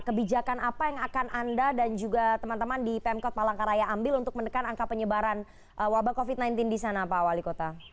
kebijakan apa yang akan anda dan juga teman teman di pemkot palangkaraya ambil untuk menekan angka penyebaran wabah covid sembilan belas di sana pak wali kota